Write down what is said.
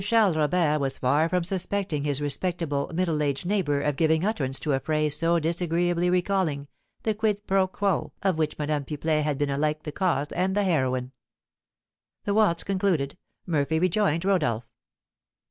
Charles Robert was far from suspecting his respectable, middle aged neighbour of giving utterance to a phrase so disagreeably recalling the quid pro quo of which Madame Pipelet had been alike the cause and the heroine. The waltz concluded, Murphy rejoined Rodolph.